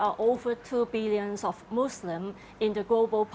ada lebih dari dua juta muslim di populasi global